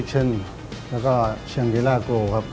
ต่อหนึ่งสาขา